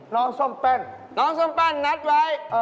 ห้องหนู๓๐๘นะ